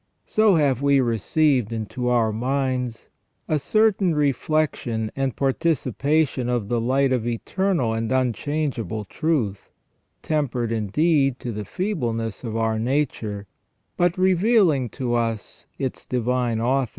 So have we received into our minds a certain reflection and participation of the light of eternal and unchangeable truth, tempered indeed to the feebleness of our nature, but revealing to us its Divine Author.